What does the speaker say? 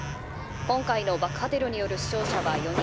今回の爆破テロによる死傷者は４人。